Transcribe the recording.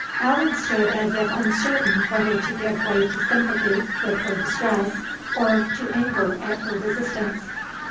Allan stood as if uncertain whether to give way to sympathy with her distress, or to anger at her resistance.